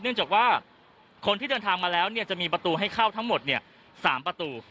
เนื่องจากว่าคนที่เดินทางมาแล้วจะมีประตูให้เข้าทั้งหมด๓ประตู